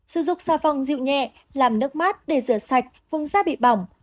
sử dụng xà phòng dịu nhẹ làm nước mát để rửa sạch vùng da bị bỏng